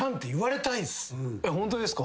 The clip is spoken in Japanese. ホントですか？